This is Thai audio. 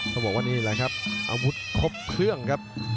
ต้องบอกว่านี่แหละครับอาวุธครบเครื่องครับ